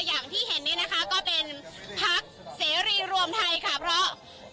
อย่างที่เห็นนี้นะคะก็เป็นพักเสรีรวมไทยค่ะเพราะ